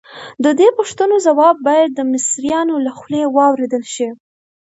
د دې پوښتنو ځواب باید د مصریانو له خولې واورېدل شي.